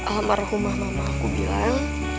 alam merahumah mama aku bilang